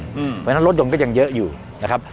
เพราะฉะนั้นรถยนต์ก็ยังเยอะอยู่นะครับ